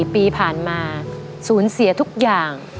ปีผ่านมาสูญเสียทุกอย่าง